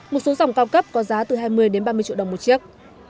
một số dòng cao cấp có giá từ hai mươi đến ba mươi triệu đồng một chiếc